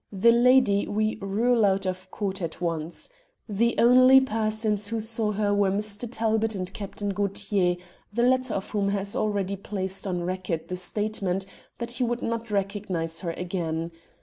The lady we rule out of court at once. The only persons who saw her were Mr. Talbot and Captain Gaultier, the latter of whom has already placed on record the statement that he would not recognize her again.